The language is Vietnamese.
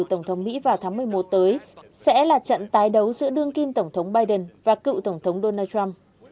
tổng thống mỹ vào tháng một mươi một tới sẽ là trận tái đấu giữa đương kim tổng thống biden và cựu tổng thống donald trump